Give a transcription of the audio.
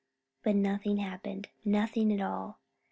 But nothing happened. Nothing at all.